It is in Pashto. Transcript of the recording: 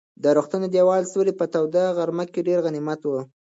د روغتون د دېوال سیوری په توده غرمه کې ډېر غنیمت و.